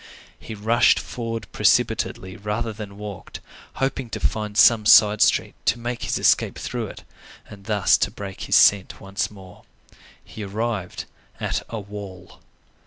He rushed forward precipitately rather than walked, hoping to find some side street, to make his escape through it, and thus to break his scent once more. He arrived at a wall.